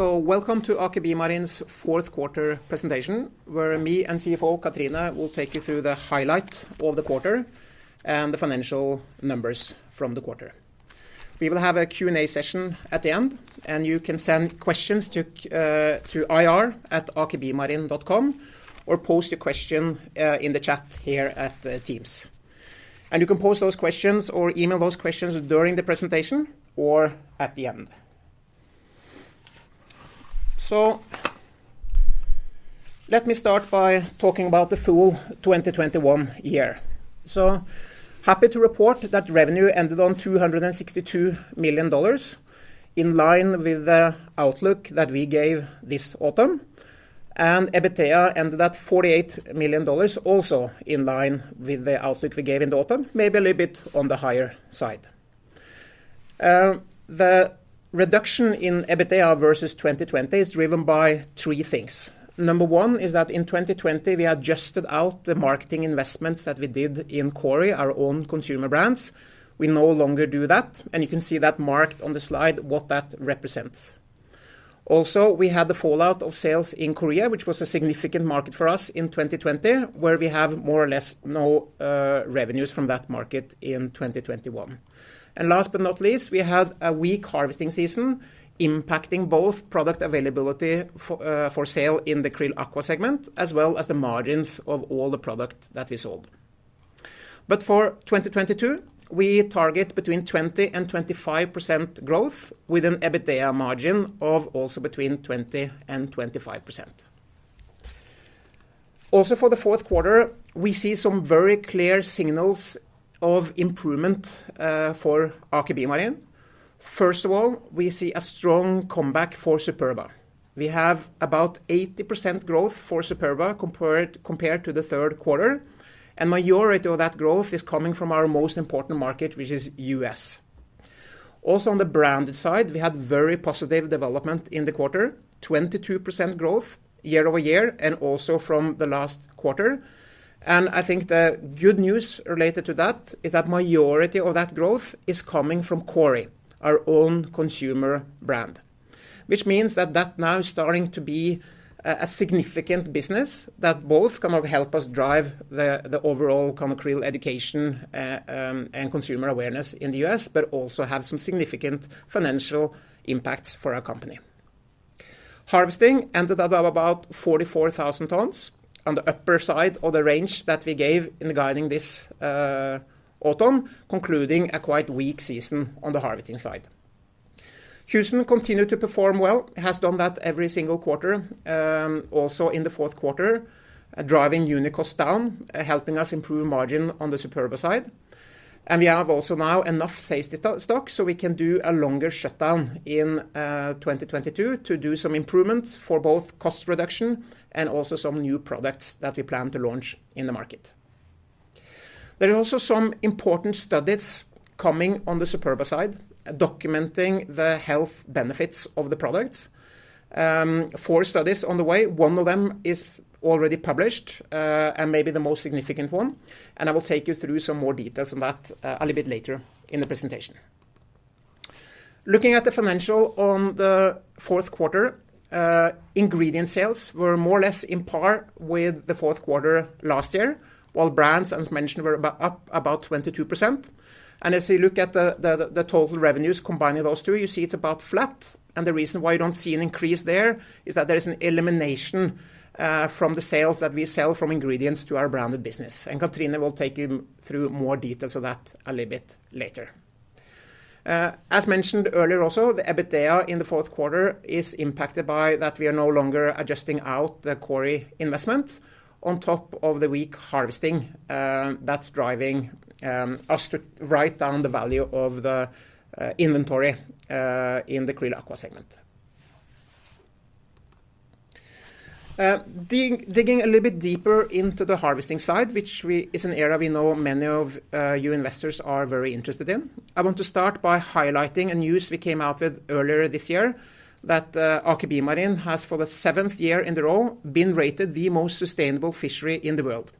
Welcome to Aker BioMarine's fourth quarter presentation, where me and CFO Katrine will take you through the highlights of the quarter and the financial numbers from the quarter. We will have a Q&A session at the end, and you can send questions to ir@akerbiomarine.com or post your question in the chat here at Teams. You can pose those questions or email those questions during the presentation or at the end. Let me start by talking about the full 2021 year. Happy to report that revenue ended on $262 million, in line with the outlook that we gave this autumn. EBITDA ended at $48 million, also in line with the outlook we gave in the autumn, maybe a little bit on the higher side. The reduction in EBITDA versus 2020 is driven by three things. Number one is that in 2020 we adjusted out the marketing investments that we did in Korea, our own consumer brands. We no longer do that, and you can see that marked on the slide, what that represents. Also, we had the fallout of sales in Korea, which was a significant market for us in 2020, where we have more or less no revenues from that market in 2021. Last but not least, we had a weak harvesting season impacting both product availability for sale in the Krill Aqua segment, as well as the margins of all the product that we sold. For 2022, we target between 20% and 25% growth with an EBITDA margin of also between 20% and 25%. Also, for the fourth quarter, we see some very clear signals of improvement for Aker BioMarine. First of all, we see a strong comeback for Superba. We have about 80% growth for Superba compared to the third quarter, and majority of that growth is coming from our most important market, which is U.S. Also, on the branded side, we have very positive development in the quarter, 22% growth year-over-year and also from the last quarter. I think the good news related to that is that majority of that growth is coming from Kori, our own consumer brand. Which means that now is starting to be a significant business that both can help us drive the overall krill education and consumer awareness in the U.S., but also have some significant financial impacts for our company. Harvesting ended at about 44,000 tons on the upper side of the range that we gave in guiding this autumn, concluding a quite weak season on the harvesting side. Houston continued to perform well, has done that every single quarter, also in the fourth quarter, driving unit costs down, helping us improve margin on the Superba side. We have also now enough safety stock, so we can do a longer shutdown in 2022 to do some improvements for both cost reduction and also some new products that we plan to launch in the market. There are also some important studies coming on the Superba side, documenting the health benefits of the products. Four studies on the way, one of them is already published, and maybe the most significant one, and I will take you through some more details on that a little bit later in the presentation. Looking at the financial on the fourth quarter, ingredient sales were more or less on par with the fourth quarter last year, while brands, as mentioned, were about up 22%. As you look at the total revenues combining those two, you see it's about flat. The reason why you don't see an increase there is that there is an elimination from the sales that we sell from ingredients to our branded business. Katrine will take you through more details of that a little bit later. As mentioned earlier also, the EBITDA in the fourth quarter is impacted by that we are no longer adjusting out the Kori investment on top of the weak harvesting, that's driving us to write down the value of the inventory in the Krill Aqua segment. Digging a little bit deeper into the harvesting side, which is an area we know many of you investors are very interested in. I want to start by highlighting a news we came out with earlier this year that Aker BioMarine has for the seventh year in a row been rated the most sustainable fishery in the world.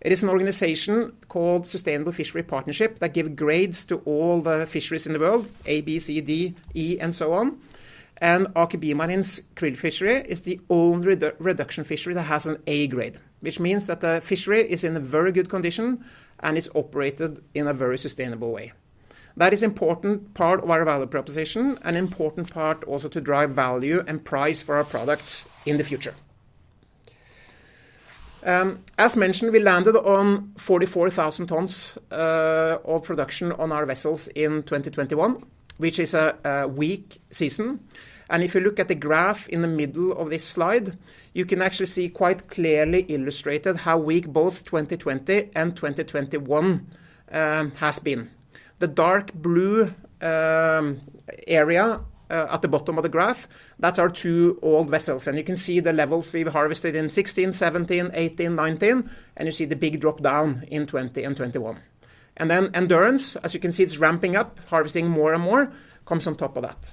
It is an organization called Sustainable Fisheries Partnership that give grades to all the fisheries in the world, A, B, C, D, E, and so on. Aker BioMarine's krill fishery is the only reduction fishery that has an A grade, which means that the fishery is in a very good condition and is operated in a very sustainable way. That is important part of our value proposition, an important part also to drive value and price for our products in the future. As mentioned, we landed on 44,000 tons of production on our vessels in 2021, which is a weak season. If you look at the graph in the middle of this slide, you can actually see quite clearly illustrated how weak both 2020 and 2021 has been. The dark blue area at the bottom of the graph, that's our two old vessels, and you can see the levels we've harvested in 2016, 2017, 2018, 2019, and you see the big drop down in 2020 and 2021. Endurance, as you can see, it's ramping up, harvesting more and more, comes on top of that.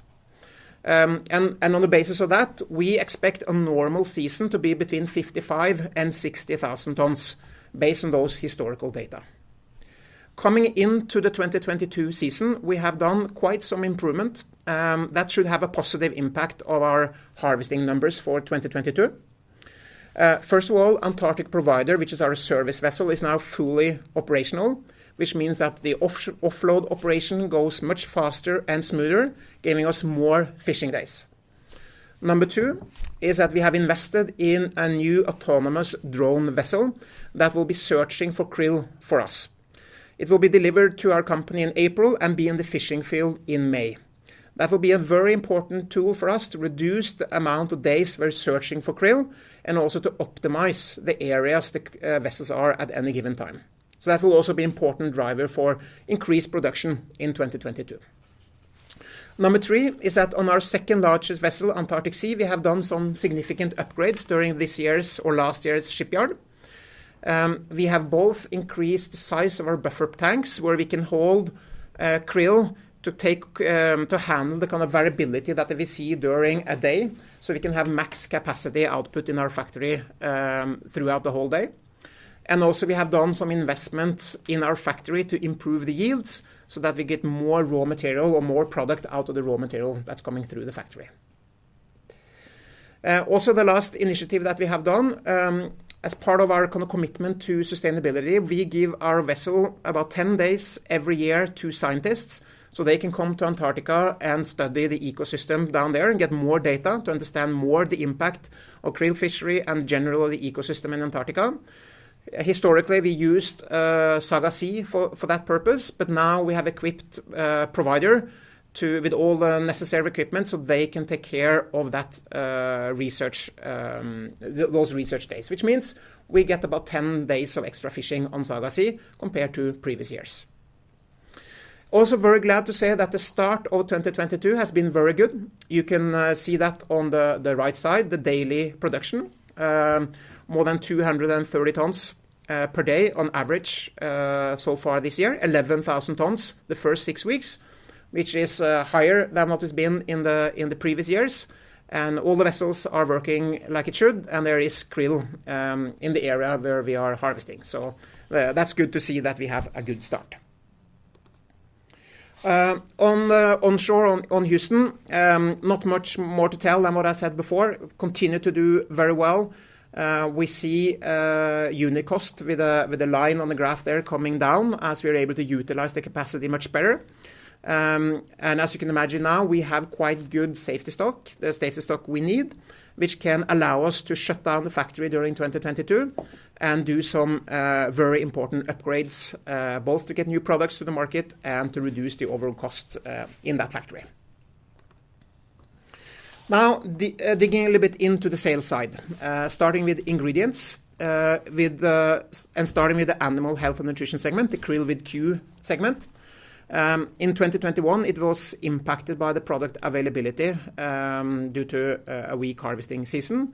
On the basis of that, we expect a normal season to be between 55,000 and 60,000 tons based on those historical data. Coming into the 2022 season, we have done quite some improvement, that should have a positive impact on our harvesting numbers for 2022. First of all, Antarctic Provider, which is our service vessel, is now fully operational, which means that the offload operation goes much faster and smoother, giving us more fishing days. Number two is that we have invested in a new autonomous drone vessel that will be searching for krill for us. It will be delivered to our company in April and be in the fishing field in May. That will be a very important tool for us to reduce the amount of days we're searching for krill and also to optimize the areas the vessels are at any given time. That will also be important driver for increased production in 2022. Number three is that on our second-largest vessel, Antarctic Sea, we have done some significant upgrades during this year's or last year's shipyard. We have both increased the size of our buffer tanks, where we can hold krill to handle the kind of variability that we see during a day, so we can have max capacity output in our factory throughout the whole day. Also we have done some investments in our factory to improve the yields so that we get more raw material or more product out of the raw material that's coming through the factory. The last initiative that we have done, as part of our kind of commitment to sustainability, we give our vessel about 10 days every year to scientists, so they can come to Antarctica and study the ecosystem down there and get more data to understand more the impact of krill fishery and general ecosystem in Antarctica. Historically, we used Saga Sea for that purpose, but now we have equipped Provider with all the necessary equipment, so they can take care of that research, those research days. Which means we get about 10 days of extra fishing on Saga Sea compared to previous years. Very glad to say that the start of 2022 has been very good. You can see that on the right side, the daily production. More than 230 tons per day on average so far this year. 11,000 tons the first six weeks, which is higher than what it's been in the previous years. All the vessels are working like it should, and there is krill in the area where we are harvesting. That's good to see that we have a good start. On the onshore on Houston, not much more to tell than what I said before. Continue to do very well. We see unit cost with a line on the graph there coming down as we're able to utilize the capacity much better. As you can imagine now, we have quite good safety stock, the safety stock we need, which can allow us to shut down the factory during 2022 and do some very important upgrades, both to get new products to the market and to reduce the overall cost in that factory. Now, digging a little bit into the sales side, starting with ingredients, and starting with the animal health and nutrition segment, the Krill Aqua segment. In 2021, it was impacted by the product availability due to a weak harvesting season.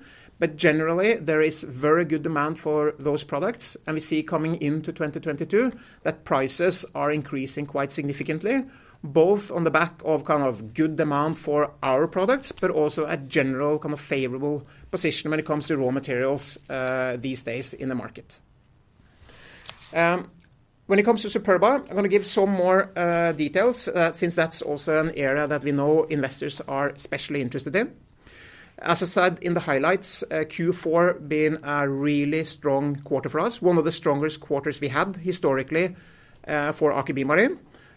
Generally, there is very good demand for those products, and we see coming into 2022 that prices are increasing quite significantly, both on the back of kind of good demand for our products, but also a general kind of favorable position when it comes to raw materials, these days in the market. When it comes to Superba, I'm gonna give some more details, since that's also an area that we know investors are especially interested in. As I said in the highlights, Q4 been a really strong quarter for us, one of the strongest quarters we had historically, for Aker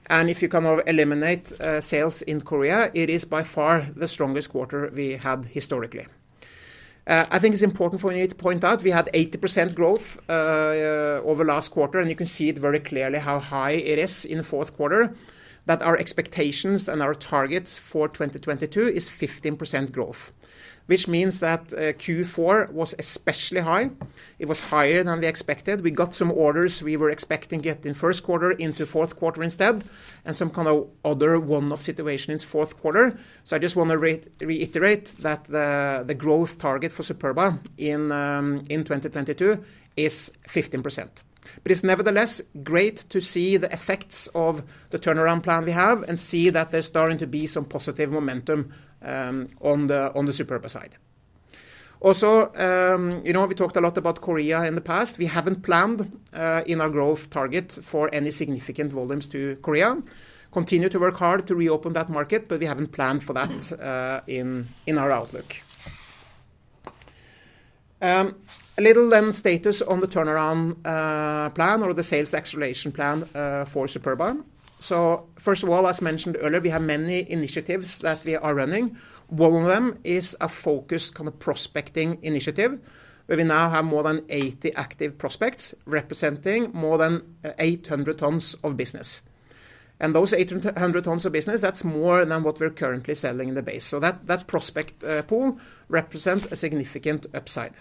BioMarine. If you can now eliminate sales in Korea, it is by far the strongest quarter we had historically. I think it's important for me to point out we had 80% growth over last quarter, and you can see it very clearly how high it is in the fourth quarter, that our expectations and our targets for 2022 is 15% growth, which means that Q4 was especially high. It was higher than we expected. We got some orders we were expecting it in first quarter into fourth quarter instead, and some kind of other one-off situation in fourth quarter. I just want to reiterate that the growth target for Superba in 2022 is 15%. It's nevertheless great to see the effects of the turnaround plan we have and see that there's starting to be some positive momentum on the Superba side. You know, we talked a lot about Korea in the past. We haven't planned in our growth target for any significant volumes to Korea. Continue to work hard to reopen that market, but we haven't planned for that in our outlook. A little on the status of the turnaround plan or the sales acceleration plan for Superba. First of all, as mentioned earlier, we have many initiatives that we are running. One of them is a focused kind of prospecting initiative, where we now have more than 80 active prospects representing more than 800 tons of business. Those 800 tons of business, that's more than what we're currently selling in the base. That prospect pool represent a significant upside.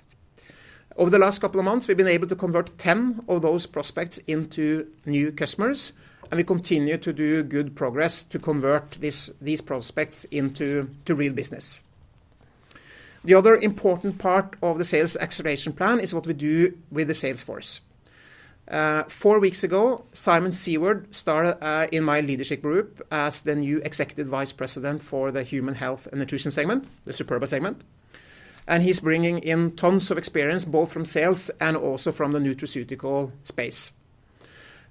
Over the last couple of months, we've been able to convert 10 of those prospects into new customers, and we continue to make good progress to convert these prospects into real business. The other important part of the sales acceleration plan is what we do with the sales force. Four weeks ago, Simon Seward started in my leadership group as the new Executive Vice President for the human health and nutrition segment, the Superba segment. He's bringing in tons of experience, both from sales and also from the nutraceutical space.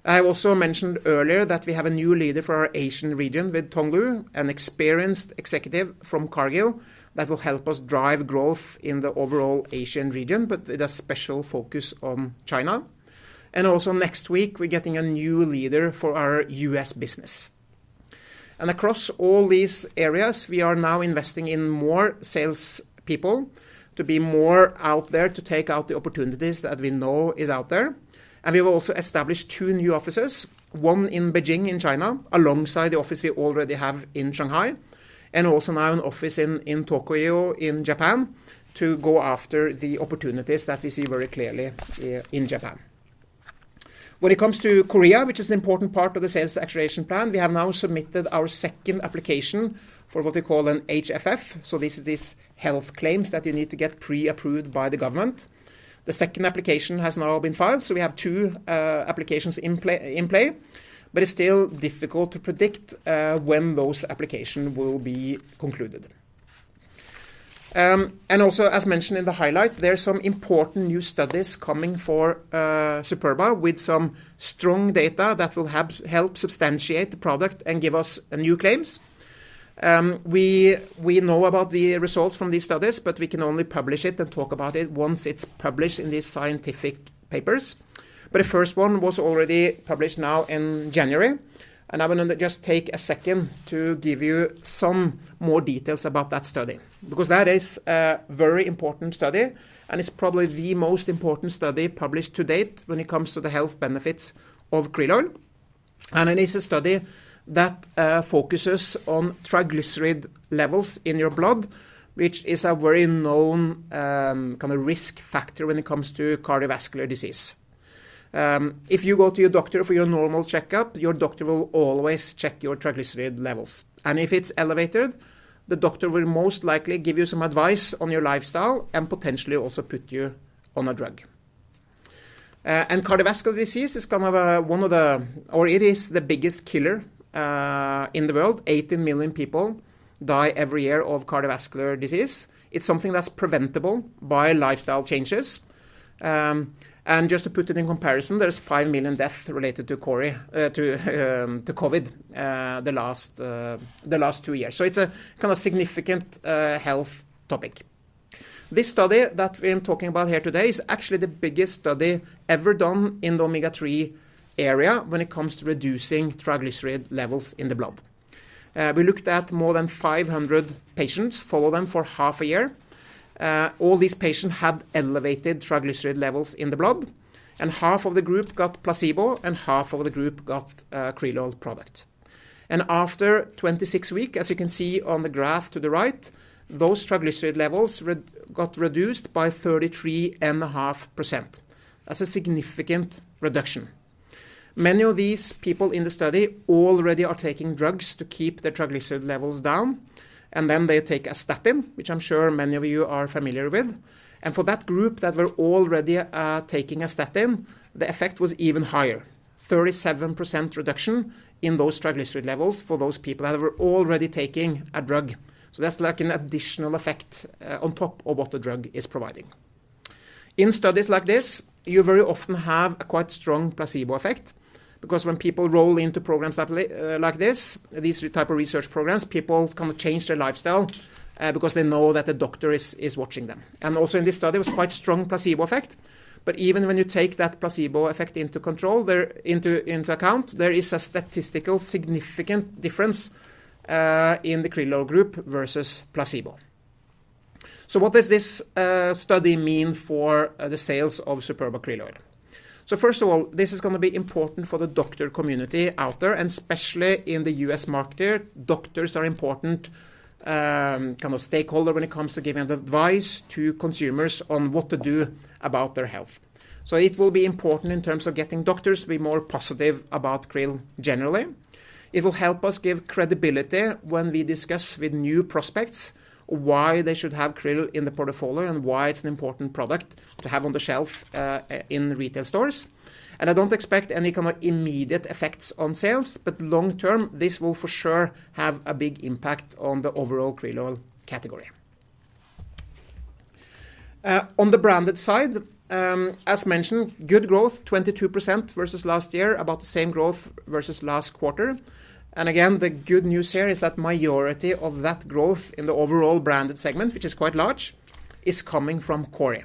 I also mentioned earlier that we have a new leader for our Asian region with Thong Luu, an experienced executive from Korea that will help us drive growth in the overall Asian region, but with a special focus on China. Next week, we're getting a new leader for our U.S. business. Across all these areas, we are now investing in more salespeople to be more out there to take out the opportunities that we know is out there. We've also established two new offices, one in Beijing in China, alongside the office we already have in Shanghai, and also now an office in Tokyo in Japan to go after the opportunities that we see very clearly in Japan. When it comes to Korea, which is an important part of the sales acceleration plan, we have now submitted our second application for what we call an HFP. This is health claims that you need to get pre-approved by the government. The second application has now been filed, so we have two applications in play, but it's still difficult to predict when those applications will be concluded. Also as mentioned in the highlight, there are some important new studies coming for Superba with some strong data that will help substantiate the product and give us new claims. We know about the results from these studies, but we can only publish it and talk about it once it's published in these scientific papers. The first one was already published now in January, and I wanna just take a second to give you some more details about that study because that is a very important study, and it's probably the most important study published to date when it comes to the health benefits of krill oil. It is a study that focuses on triglyceride levels in your blood, which is a very known kind of risk factor when it comes to cardiovascular disease. If you go to your doctor for your normal checkup, your doctor will always check your triglyceride levels, and if it's elevated, the doctor will most likely give you some advice on your lifestyle and potentially also put you on a drug. Cardiovascular disease is the biggest killer in the world. 80 million people die every year of cardiovascular disease. It's something that's preventable by lifestyle changes. Just to put it in comparison, there's 5 million deaths related to COVID the last 2 years. So it's a kind of significant health topic. This study that I'm talking about here today is actually the biggest study ever done in the omega-3 area when it comes to reducing triglyceride levels in the blood. We looked at more than 500 patients, followed them for half a year. All these patients had elevated triglyceride levels in the blood, and half of the group got placebo, and half of the group got a krill oil product. After 26 weeks, as you can see on the graph to the right, those triglyceride levels got reduced by 33.5%. That's a significant reduction. Many of these people in the study already are taking drugs to keep their triglyceride levels down, and then they take a statin, which I'm sure many of you are familiar with. For that group that were already taking a statin, the effect was even higher, 37% reduction in those triglyceride levels for those people that were already taking a drug. That's like an additional effect on top of what the drug is providing. In studies like this, you very often have a quite strong placebo effect because when people roll into programs like this, these type of research programs, people kind of change their lifestyle because they know that the doctor is watching them. In this study, it was quite strong placebo effect. Even when you take that placebo effect into account, there is a statistically significant difference in the krill oil group versus placebo. What does this study mean for the sales of Superba Krill Oil? First of all, this is gonna be important for the doctor community out there, and especially in the U.S. market, doctors are important, kind of stakeholder when it comes to giving advice to consumers on what to do about their health. It will be important in terms of getting doctors to be more positive about krill generally. It will help us give credibility when we discuss with new prospects why they should have krill in the portfolio and why it's an important product to have on the shelf, in retail stores. I don't expect any kind of immediate effects on sales, but long term, this will for sure have a big impact on the overall krill oil category. On the branded side, as mentioned, good growth, 22% versus last year, about the same growth versus last quarter. Again, the good news here is that majority of that growth in the overall branded segment, which is quite large, is coming from Kori.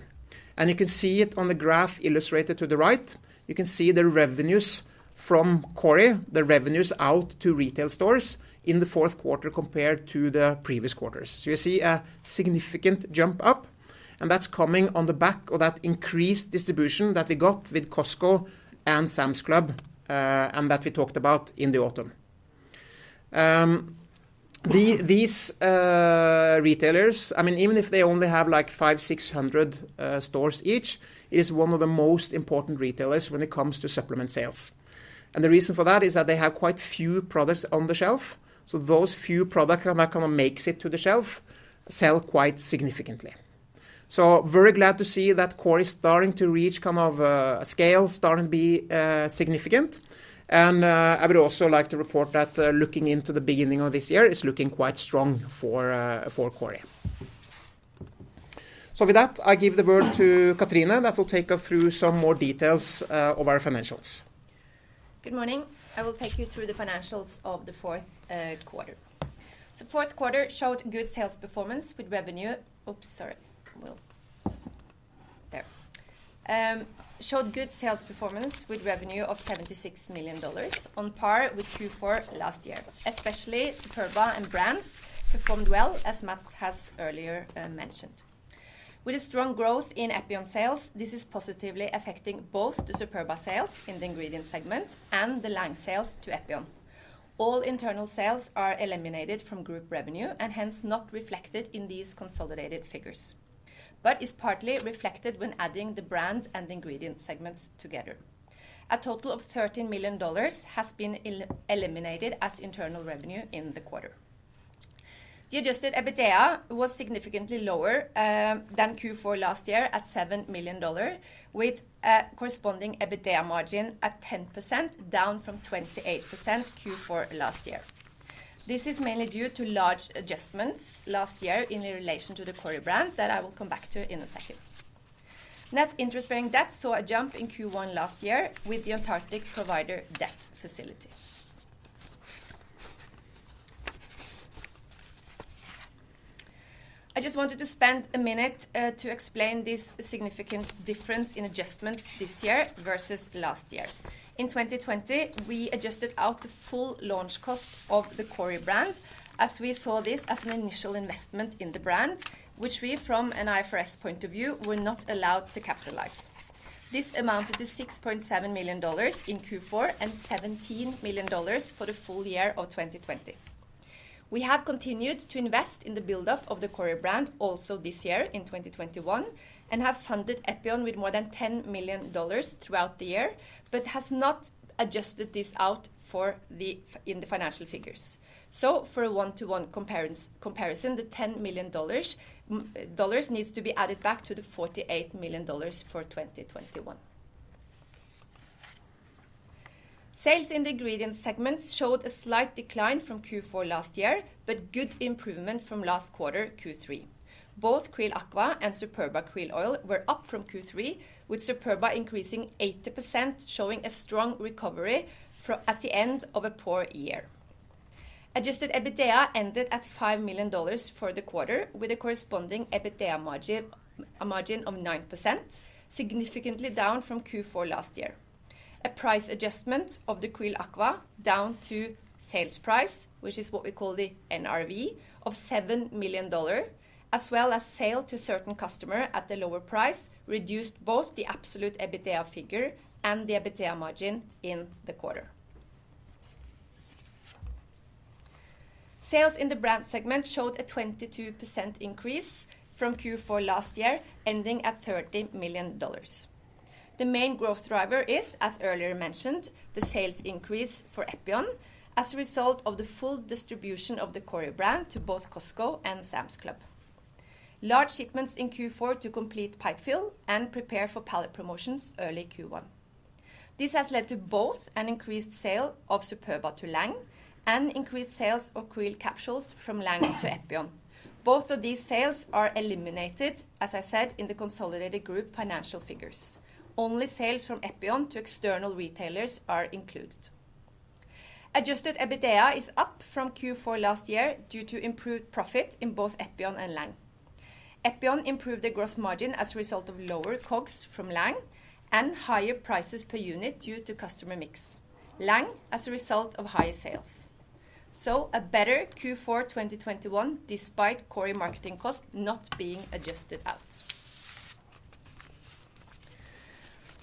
You can see it on the graph illustrated to the right. You can see the revenues from Kori, the revenues out to retail stores in the fourth quarter compared to the previous quarters. You see a significant jump up, and that's coming on the back of that increased distribution that we got with Costco and Sam's Club, and that we talked about in the autumn. These retailers, I mean, even if they only have like 500, 600 stores each, it is one of the most important retailers when it comes to supplement sales. The reason for that is that they have quite a few products on the shelf, so those few products that kind of makes it to the shelf sell quite significantly. Very glad to see that Kori is starting to reach kind of a scale, starting to be significant. I would also like to report that looking into the beginning of this year, it's looking quite strong for Kori. With that, I give the word to Katrine that will take us through some more details of our financials. Good morning. I will take you through the financials of the fourth quarter. Fourth quarter showed good sales performance with revenue of $76 million on par with Q4 last year. Especially Superba and Brands performed well, as Mads has earlier mentioned. With a strong growth in Epion sales, this is positively affecting both the Superba sales in the Ingredient segment and the Lang sales to Epion. All internal sales are eliminated from group revenue and hence not reflected in these consolidated figures, but is partly reflected when adding the Brands and Ingredient segments together. A total of $13 million has been eliminated as internal revenue in the quarter. The adjusted EBITDA was significantly lower than Q4 last year at $7 million, with a corresponding EBITDA margin at 10%, down from 28% Q4 last year. This is mainly due to large adjustments last year in relation to the Kori Brand that I will come back to in a second. Net interest-bearing debt saw a jump in Q1 last year with the Antarctic Provider debt facility. I just wanted to spend a minute to explain this significant difference in adjustments this year versus last year. In 2020, we adjusted out the full launch cost of the Kori Brand as we saw this as an initial investment in the brand, which we from an IFRS point of view were not allowed to capitalize. This amounted to $6.7 million in Q4 and $17 million for the full year of 2020. We have continued to invest in the build-up of the Kori Brand also this year in 2021, and have funded Epion with more than $10 million throughout the year, but has not adjusted this out for the financial figures. For a one-to-one comparison, the $10 million dollars needs to be added back to the $48 million for 2021. Sales in the ingredient segments showed a slight decline from Q4 last year, but good improvement from last quarter, Q3. Both Krill Aqua and Superba Krill Oil were up from Q3, with Superba increasing 80%, showing a strong recovery of a poor year. Adjusted EBITDA ended at $5 million for the quarter, with a corresponding EBITDA margin of 9%, significantly down from Q4 last year. A price adjustment of the Krill Aqua down to sales price, which is what we call the NRV, of $7 million, as well as sale to certain customer at the lower price reduced both the absolute EBITDA figure and the EBITDA margin in the quarter. Sales in the Brand segment showed a 22% increase from Q4 last year, ending at $30 million. The main growth driver is, as earlier mentioned, the sales increase for Epion as a result of the full distribution of the Kori brand to both Costco and Sam's Club, large shipments in Q4 to complete pipe-fill and prepare for pallet promotions early Q1. This has led to both an increased sale of Superba to Lang and increased sales of krill capsules from Lang to Epion. Both of these sales are eliminated, as I said, in the consolidated group financial figures. Only sales from Epion to external retailers are included. Adjusted EBITDA is up from Q4 last year due to improved profit in both Epion and Lang. Epion improved the gross margin as a result of lower COGS from Lang and higher prices per unit due to customer mix. Lang, as a result of higher sales. A better Q4 2021 despite Kori marketing costs not being adjusted out.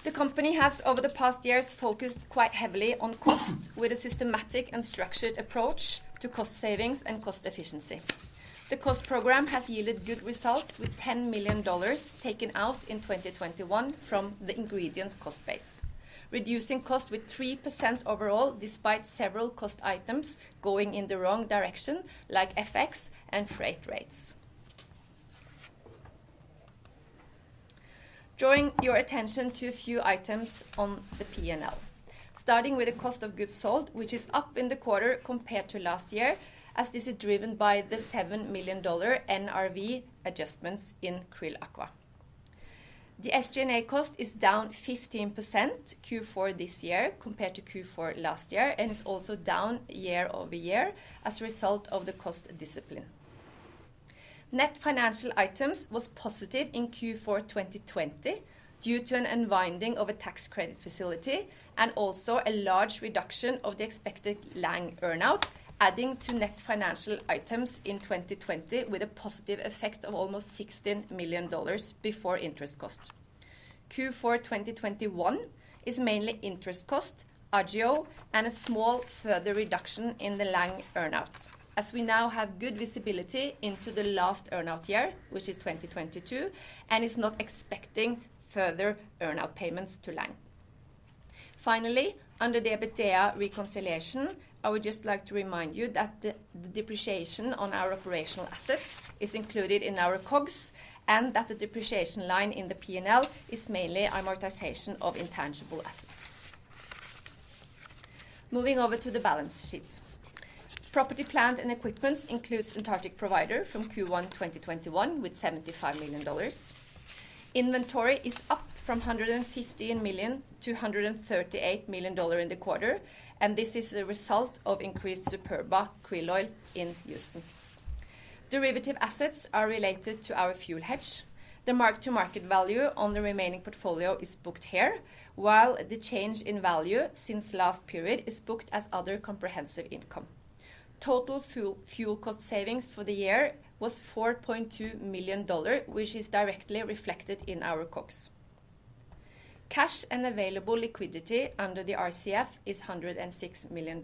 The company has, over the past years, focused quite heavily on cost with a systematic and structured approach to cost savings and cost efficiency. The cost program has yielded good results, with $10 million taken out in 2021 from the ingredient cost base, reducing cost with 3% overall, despite several cost items going in the wrong direction, like FX and freight rates. Drawing your attention to a few items on the P&L. Starting with the cost of goods sold, which is up in the quarter compared to last year, as this is driven by the $7 million NRV adjustments in Krill Aqua. The SG&A cost is down 15% Q4 this year compared to Q4 last year and is also down year-over-year as a result of the cost discipline. Net financial items was positive in Q4 2020 due to an unwinding of a tax credit facility and also a large reduction of the expected Lang earn-out, adding to net financial items in 2020 with a positive effect of almost $16 million before interest cost. Q4 2021 is mainly interest cost, Agio, and a small further reduction in the Lang earn-out, as we now have good visibility into the last earn-out year, which is 2022, and is not expecting further earn-out payments to Lang. Finally, under the EBITDA reconciliation, I would just like to remind you that the depreciation on our operational assets is included in our COGS and that the depreciation line in the P&L is mainly amortization of intangible assets. Moving over to the balance sheet. Property, plant, and equipment includes Antarctic Provider from Q1 2021 with $75 million. Inventory is up from $115 million to $138 million in the quarter, and this is the result of increased Superba Krill Oil in Houston. Derivative assets are related to our fuel hedge. The mark-to-market value on the remaining portfolio is booked here, while the change in value since last period is booked as other comprehensive income. Total fuel cost savings for the year was $4.2 million, which is directly reflected in our costs. Cash and available liquidity under the RCF is $106 million.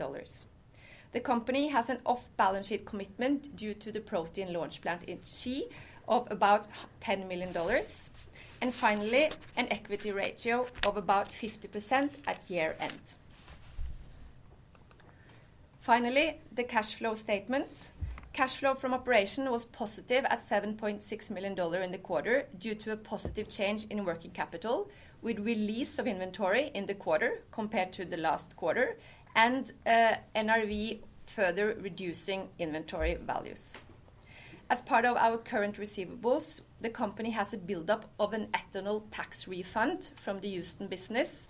The company has an off-balance sheet commitment due to the protein launch plant in Ski of about $10 million. Finally, an equity ratio of about 50% at year-end. Finally, the cash flow statement. Cash flow from operation was positive at $7.6 million in the quarter due to a positive change in working capital, with release of inventory in the quarter compared to the last quarter and NRV further reducing inventory values. As part of our current receivables, the company has a buildup of an ethanol tax refund from the Houston business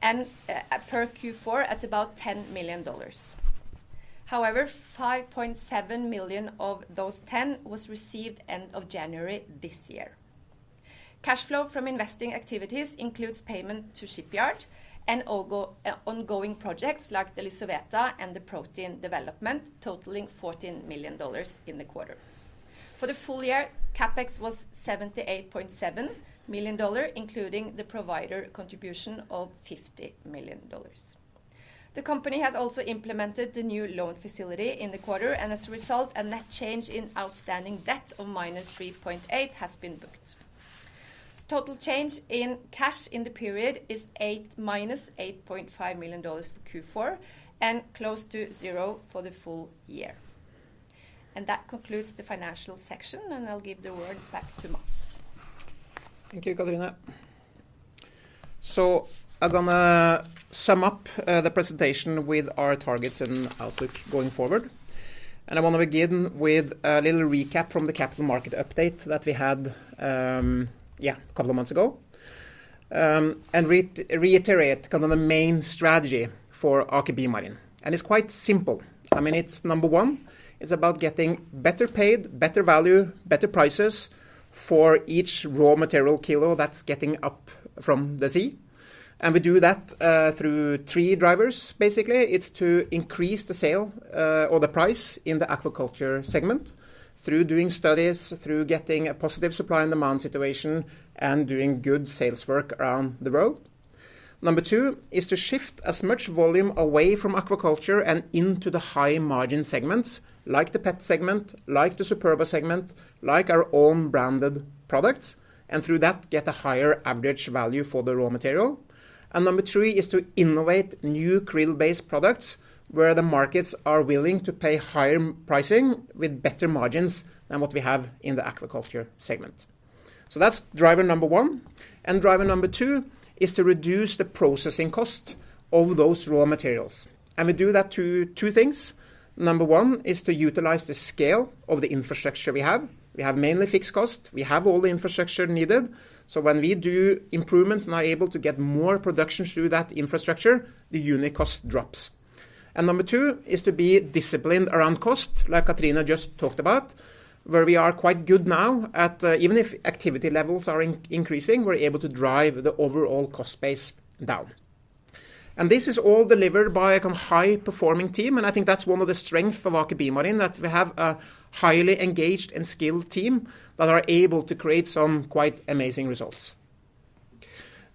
and, at per Q4 at about $10 million. However, $5.7 million of those ten was received end of January this year. Cash flow from investing activities includes payment to shipyard and ongoing projects like the Lysoveta and the protein development, totaling $14 million in the quarter. For the full year, CapEx was $78.7 million, including the Antarctic Provider contribution of $50 million. The company has also implemented the new loan facility in the quarter, and as a result, a net change in outstanding debt of -$3.8 million has been booked. Total change in cash in the period is minus $8.5 million for Q4 and close to zero for the full year. That concludes the financial section, and I'll give the word back to Matts. Thank you, Katrine. I'm gonna sum up the presentation with our targets and outlook going forward. I wanna begin with a little recap from the capital market update that we had a couple of months ago and reiterate kind of the main strategy for Aker BioMarine. It's quite simple. I mean, it's number one, it's about getting better paid, better value, better prices for each raw material kilo that's getting up from the sea. We do that through three drivers. Basically, it's to increase the sale or the price in the aquaculture segment through doing studies, through getting a positive supply and demand situation, and doing good sales work around the world. Number 2 is to shift as much volume away from aquaculture and into the high margin segments like the pet segment, like the Superba segment, like our own branded products, and through that get a higher average value for the raw material. Number 3 is to innovate new krill-based products where the markets are willing to pay higher pricing with better margins than what we have in the aquaculture segment. That's driver number 1. Driver number 2 is to reduce the processing cost of those raw materials. We do that through two things. Number 1 is to utilize the scale of the infrastructure we have. We have mainly fixed cost. We have all the infrastructure needed. When we do improvements and are able to get more production through that infrastructure, the unit cost drops. Number two is to be disciplined around cost, like Katrine just talked about, where we are quite good now at, even if activity levels are increasing, we're able to drive the overall cost base down. This is all delivered by a high-performing team, and I think that's one of the strengths of Aker BioMarine, that we have a highly engaged and skilled team that are able to create some quite amazing results.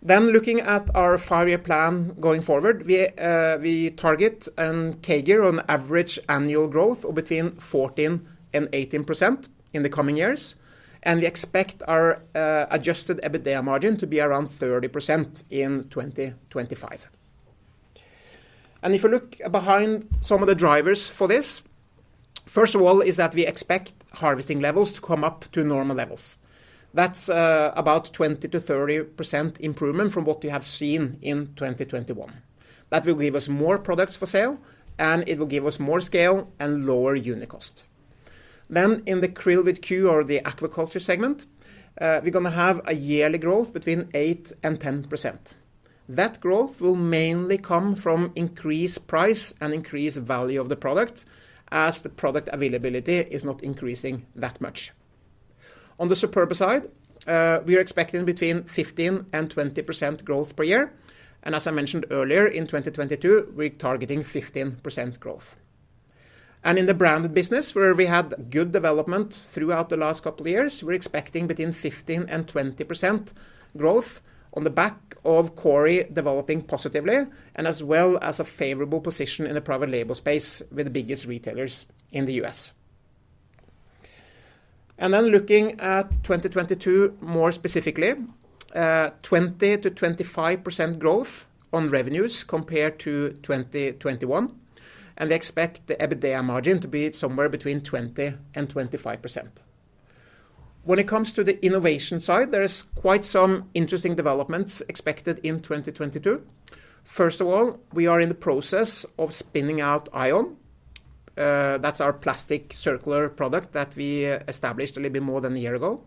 Looking at our five-year plan going forward, we target a CAGR on average annual growth of between 14% and 18% in the coming years, and we expect our adjusted EBITDA margin to be around 30% in 2025. If you look behind some of the drivers for this, first of all is that we expect harvesting levels to come up to normal levels. That's about 20% to 30% improvement from what we have seen in 2021. That will give us more products for sale, and it will give us more scale and lower unit cost. In the Krill Aqua or the aquaculture segment, we're gonna have a yearly growth between 8% and 10%. That growth will mainly come from increased price and increased value of the product as the product availability is not increasing that much. On the Superba side, we are expecting between 15% and 20% growth per year. As I mentioned earlier, in 2022, we're targeting 15% growth. In the branded business, where we had good development throughout the last couple of years, we're expecting between 15% and 20% growth on the back of Kori developing positively and as well as a favorable position in the private label space with the biggest retailers in the U.S. Then looking at 2022 more specifically, 20% to 25% growth on revenues compared to 2021. We expect the EBITDA margin to be somewhere between 20% and 25%. When it comes to the innovation side, there is quite some interesting developments expected in 2022. First of all, we are in the process of spinning out AION. That's our plastic circular product that we established a little bit more than a year ago.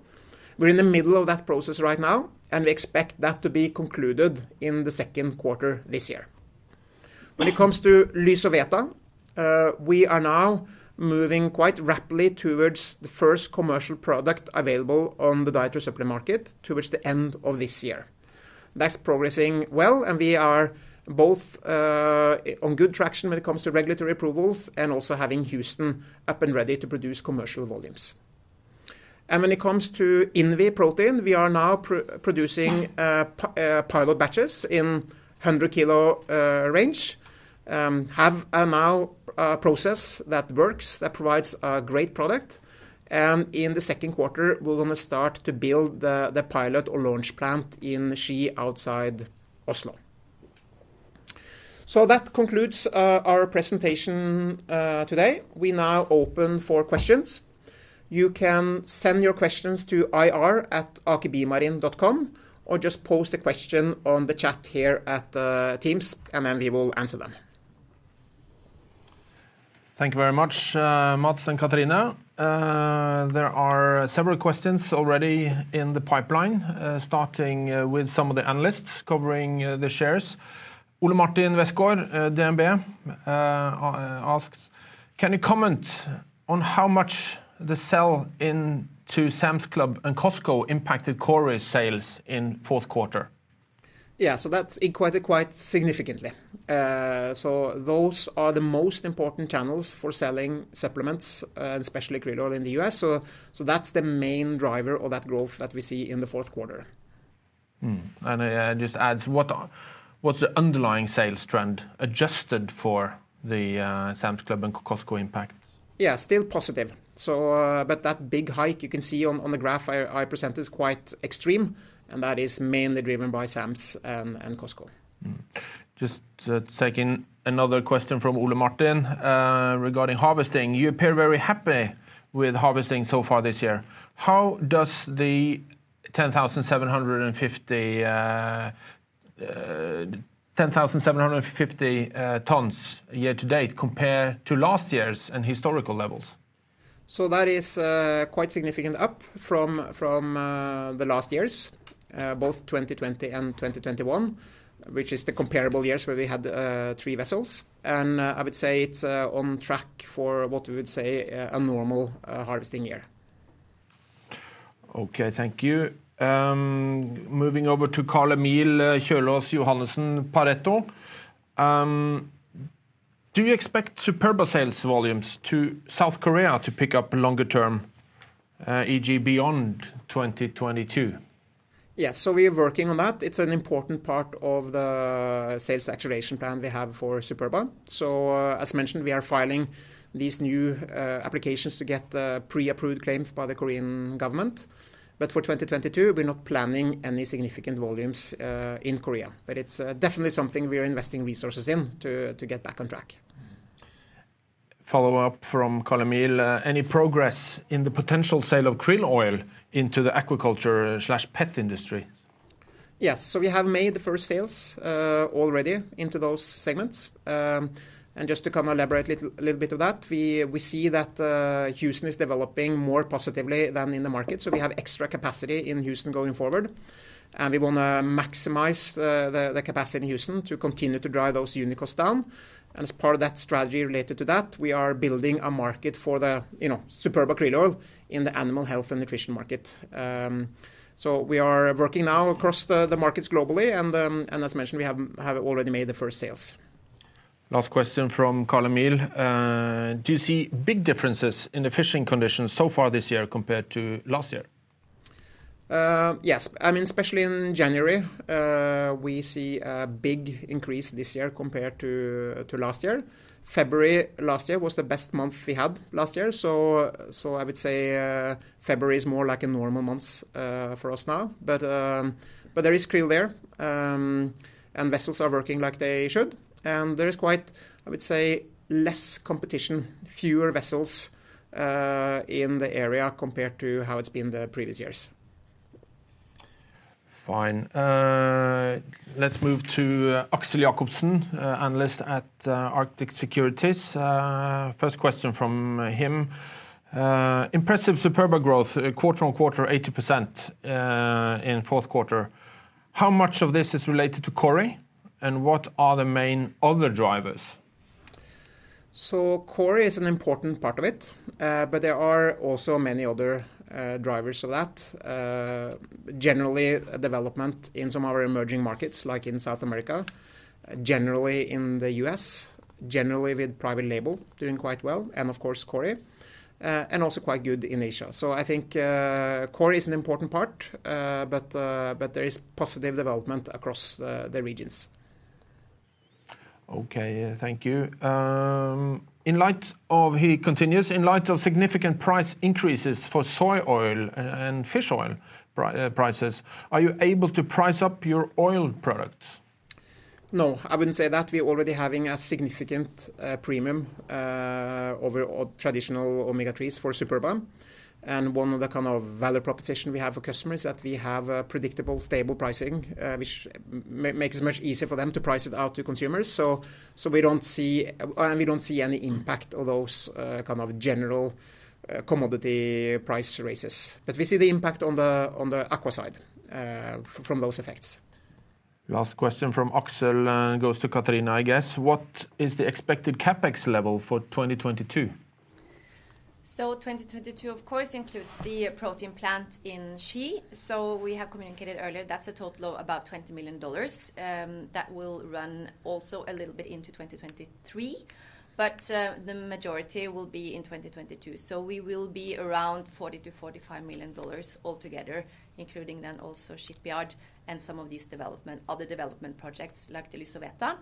We're in the middle of that process right now, and we expect that to be concluded in the second quarter this year. When it comes to Lysoveta, we are now moving quite rapidly towards the first commercial product available on the dietary supplement market towards the end of this year. That's progressing well, and we are both on good traction when it comes to regulatory approvals and also having Houston up and ready to produce commercial volumes. When it comes to INVI protein, we are now producing pilot batches in 100-kilo range. We now have a process that works, that provides a great product. In the second quarter, we're going to start to build the pilot or launch plant in Ski outside Oslo. That concludes our presentation today. We now open for questions. You can send your questions to ir@akerbiomarine.com or just post a question on the chat here at the Teams, and then we will answer them. Thank you very much, Matts and Katrine. There are several questions already in the pipeline, starting with some of the analysts covering the shares. Ole Martin Westgaard, DNB, asks, "Can you comment on how much the sell into Sam's Club and Costco impacted core sales in fourth quarter? That's quite significantly. Those are the most important channels for selling supplements, especially krill oil in the U.S. That's the main driver of that growth that we see in the fourth quarter. He just adds, "What's the underlying sales trend adjusted for the Sam's Club and Costco impacts? Yeah, still positive. That big hike you can see on the graph I presented is quite extreme, and that is mainly driven by Sam's and Costco. Just taking another question from Ole Martin regarding harvesting. You appear very happy with harvesting so far this year. How does the 10,750 tons year to date compare to last year's and historical levels? That is quite significant up from the last years both 2020 and 2021, which is the comparable years where we had three vessels. I would say it's on track for what we would say a normal harvesting year. Okay, thank you. Moving over to Carl-Emil Kjølås Johannessen, Pareto. Do you expect Superba sales volumes to South Korea to pick up longer term, e.g., beyond 2022? Yes. We are working on that. It's an important part of the sales acceleration plan we have for Superba. As mentioned, we are filing these new applications to get the pre-approved claim by the Korean government. For 2022, we're not planning any significant volumes in Korea. It's definitely something we are investing resources in to get back on track. Follow up from Carl-Emil. Any progress in the potential sale of krill oil into the agriculture/pet industry? Yes. We have made the first sales already into those segments. Just to kind of elaborate a little bit of that, we see that Houston is developing more positively than in the market. We have extra capacity in Houston going forward, and we want to maximize the capacity in Houston to continue to drive those unit costs down. As part of that strategy related to that, we are building a market for the, you know, Superba Krill Oil in the animal health and nutrition market. We are working now across the markets globally, and as mentioned, we have already made the first sales. Last question from Carl Emil. Do you see big differences in the fishing conditions so far this year compared to last year? Yes. I mean, especially in January, we see a big increase this year compared to last year. February last year was the best month we had last year. I would say February is more like a normal month for us now. But there is krill there, and vessels are working like they should. There is quite, I would say, less competition, fewer vessels in the area compared to how it's been the previous years. Fine. Let's move to Aksel Jacobsen, analyst at Arctic Securities. First question from him. Impressive Superba growth quarter-on-quarter 80% in fourth quarter. How much of this is related to Kori, and what are the main other drivers? Kori is an important part of it, but there are also many other drivers to that. Generally, development in some of our emerging markets, like in South America, generally in the U.S., generally with private label doing quite well, and of course, Kori, and also quite good in Asia. I think Kori is an important part, but there is positive development across the regions. Okay, thank you. In light of significant price increases for soy oil and fish oil prices, are you able to price up your oil products? No, I wouldn't say that. We are already having a significant premium over all traditional omega-3s for Superba. One of the kind of value proposition we have for customers that we have a predictable stable pricing, which makes it much easier for them to price it out to consumers. We don't see any impact of those kind of general commodity price raises. We see the impact on the Aqua side from those effects. Last question from Aksel, goes to Katrine, I guess. What is the expected CapEx level for 2022? 2022, of course, includes the protein plant in Ski. We have communicated earlier, that's a total of about $20 million that will run also a little bit into 2023. The majority will be in 2022. We will be around $40 to $45 million altogether, including then also shipyard and some of these development, other development projects like Lysoveta.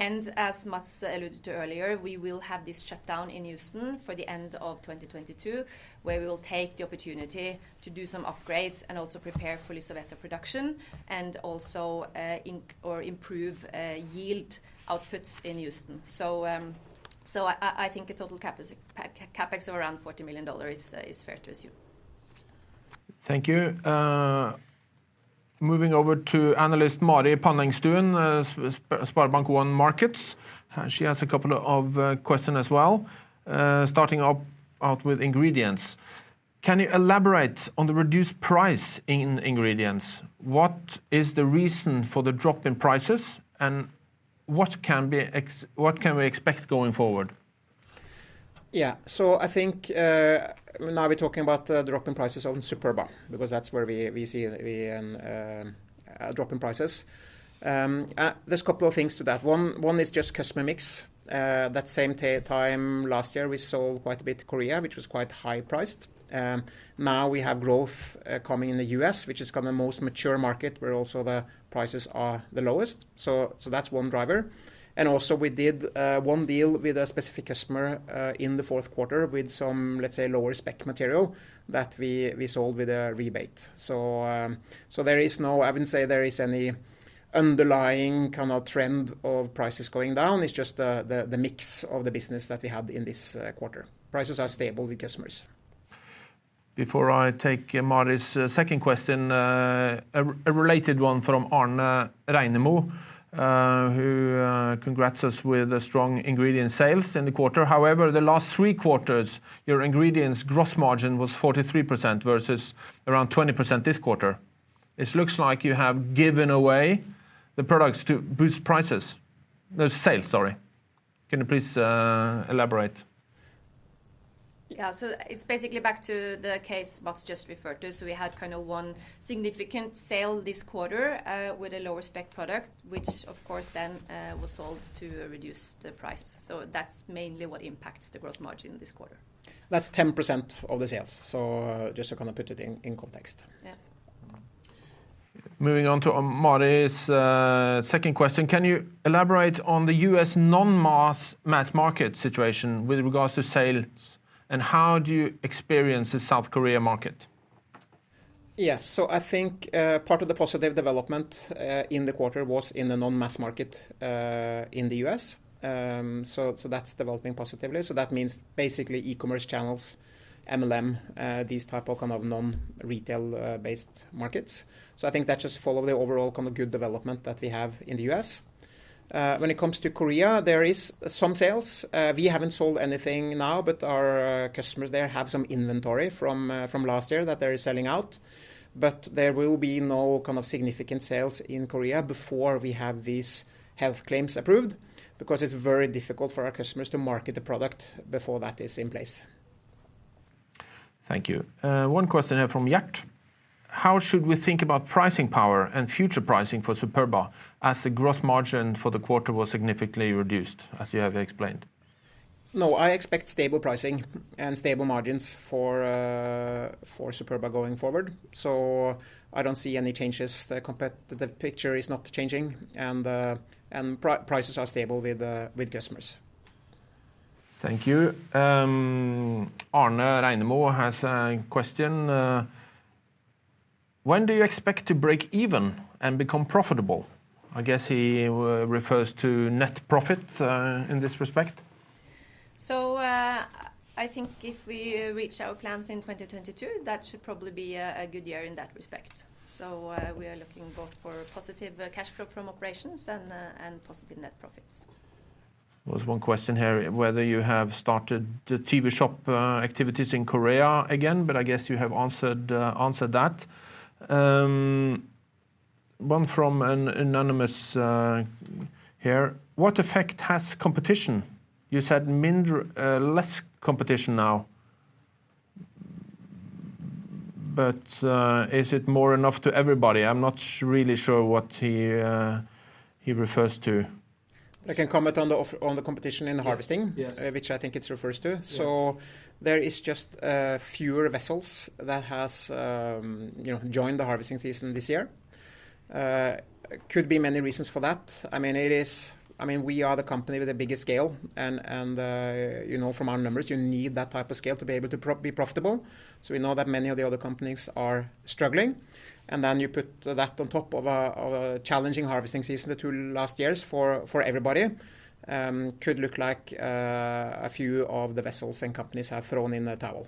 As Matts alluded to earlier, we will have this shutdown in Houston for the end of 2022, where we will take the opportunity to do some upgrades and also prepare for Lysoveta production and also or improve yield outputs in Houston. I think a total CapEx of around $40 million is fair to assume. Thank you. Moving over to Analyst Mari Panengstuen, SpareBank 1 Markets. She has a couple of question as well, starting out with ingredients. Can you elaborate on the reduced price in ingredients? What is the reason for the drop in prices, and what can we expect going forward? Yeah. I think now we're talking about the drop in prices on Superba because that's where we see a drop in prices. There's a couple of things to that. One is just customer mix. That same time last year, we sold quite a bit to Korea, which was quite high-priced. Now we have growth coming in the U.S., which is kind of the most mature market where also the prices are the lowest. That's one driver. Also we did one deal with a specific customer in the fourth quarter with some, let's say, lower spec material that we sold with a rebate. I wouldn't say there is any underlying kind of trend of prices going down. It's just the mix of the business that we had in this quarter. Prices are stable with customers. Before I take Mari's second question, a related one from Arne Reinemo, who congratulates us with the strong ingredient sales in the quarter. However, the last three quarters, your ingredients gross margin was 43% versus around 20% this quarter. It looks like you have given away the products to boost sales. Sorry. Can you please elaborate? Yeah. It's basically back to the case Mats just referred to. We had kind of one significant sale this quarter, with a lower spec product, which of course then was sold to reduce the price. That's mainly what impacts the gross margin this quarter. That's 10% of the sales, so just to kind of put it in context. Yeah. Moving on to Mari Panengstuen's second question. Can you elaborate on the U.S. non-mass, mass market situation with regards to sales, and how do you experience the South Korea market? Yes. I think part of the positive development in the quarter was in the non-mass market in the U.S. That's developing positively. That means basically e-commerce channels, MLM, these type of kind of non-retail based markets. I think that just follow the overall kind of good development that we have in the U.S. When it comes to Korea, there is some sales. We haven't sold anything now, but our customers there have some inventory from last year that they're selling out. There will be no kind of significant sales in Korea before we have these health claims approved because it's very difficult for our customers to market the product before that is in place. Thank you. One question here from Jack. How should we think about pricing power and future pricing for Superba as the gross margin for the quarter was significantly reduced, as you have explained? No, I expect stable pricing and stable margins for Superba going forward. I don't see any changes. The picture is not changing, and prices are stable with customers. Thank you. Arne Reinemo has a question. When do you expect to break even and become profitable? I guess he refers to net profit in this respect. I think if we reach our plans in 2022, that should probably be a good year in that respect. We are looking both for positive cash flow from operations and positive net profits. There was one question here, whether you have started the TV shop activities in Korea again, but I guess you have answered that. One from an anonymous here. What effect has competition? You said less competition now. Is it more enough to everybody? I'm not really sure what he refers to. I can comment on the competition in the harvesting. Yes. which I think it refers to. Yes. There is just fewer vessels that has, you know, joined the harvesting season this year. Could be many reasons for that. I mean, we are the company with the biggest scale, and you know, from our numbers, you need that type of scale to be able to be profitable. We know that many of the other companies are struggling, and then you put that on top of a challenging harvesting season the two last years for everybody. Could look like a few of the vessels and companies have thrown in the towel.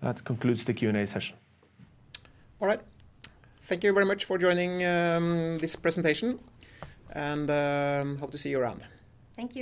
That concludes the Q&A session. All right. Thank you very much for joining this presentation and I hope to see you around. Thank you.